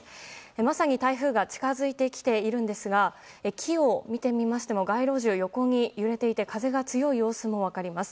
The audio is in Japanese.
まさに台風が近づいてきているんですが木を見てみましても街路樹、横に揺れていて風が強い様子も分かります。